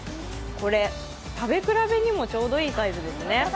これ食べ比べにもちょうどいいサイズですね。